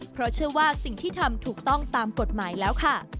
เพราะเชื่อว่าสิ่งที่ทำถูกต้องตามกฎหมายแล้วค่ะ